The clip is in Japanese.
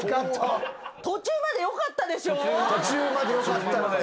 途中までよかったのに。